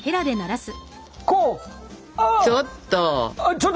ちょっと！